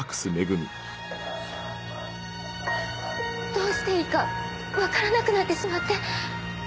どうしていいかわからなくなってしまって。